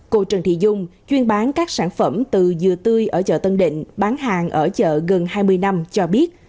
cô trần thị dung chuyên bán các sản phẩm từ dừa tươi ở chợ tân định bán hàng ở chợ gần hai mươi năm cho biết